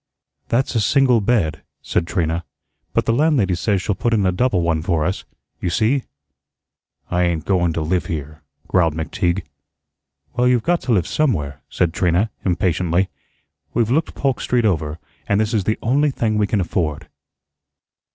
"That's a single bed," said Trina, "but the landlady says she'll put in a double one for us. You see " "I ain't going to live here," growled McTeague. "Well, you've got to live somewhere," said Trina, impatiently. "We've looked Polk Street over, and this is the only thing we can afford."